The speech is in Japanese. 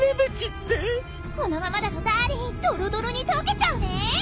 このままだとダーリンドロドロに溶けちゃうね。